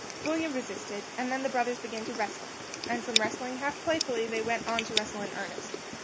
William resisted, and then the brothers began to wrestle; and from wrestling half playfully, they went on to wrestle in earnest.